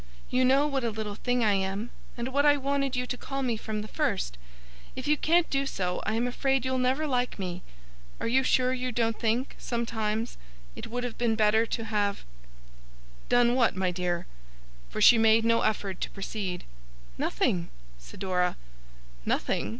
'You know what a little thing I am, and what I wanted you to call me from the first. If you can't do so, I am afraid you'll never like me. Are you sure you don't think, sometimes, it would have been better to have ' 'Done what, my dear?' For she made no effort to proceed. 'Nothing!' said Dora. 'Nothing?